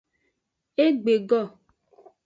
Egbe go.